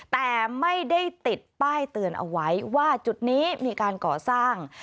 แต่ไม่ได้ติดป้ายเตือนเอาไว้ว่าจุดนี้มีการก่อสร้าง